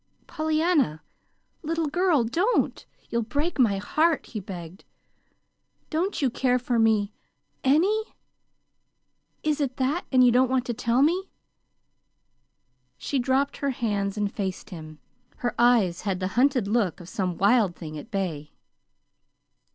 "Pollyanna, little girl, don't! You'll break my heart," he begged. "Don't you care for me ANY? Is it that, and you don't want to tell me?" She dropped her hands and faced him. Her eyes had the hunted look of some wild thing at bay.